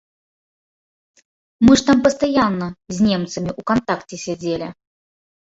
Мы ж там пастаянна з немцамі ў кантакце сядзелі.